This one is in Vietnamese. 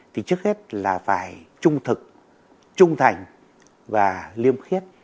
thì trước hết là phải trung thực trung thành và liêm khiết